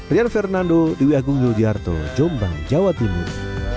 rian fernando di wg yogyo diarto jombang jawa timur